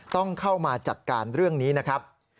ต้องเข้ามาจัดการเรื่องนี้นะครับ